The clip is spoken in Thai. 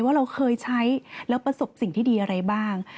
ว่าเราเคยใช้แล้วประสบสิ่งที่ดีอะไรบ้าง